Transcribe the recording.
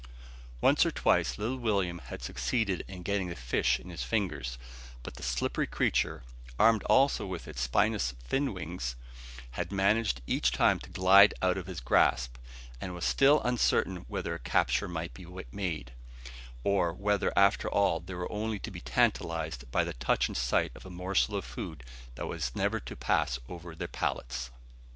Once or twice little William had succeeded in getting the fish in his fingers; but the slippery creature, armed also with its spinous fin wings, had managed each time to glide out of his grasp; and it was still uncertain whether a capture might be made, or whether after all they were only to be tantalised by the touch and sight of a morsel of food that was never to pass over their palates.